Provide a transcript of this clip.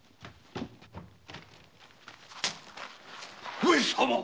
上様。